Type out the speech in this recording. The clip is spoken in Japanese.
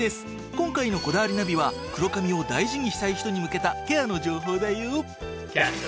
今回の『こだわりナビ』は黒髪を大事にしたい人に向けたケアの情報だよ。